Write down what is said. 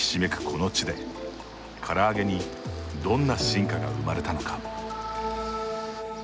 この地でから揚げにどんな進化が生まれたのか。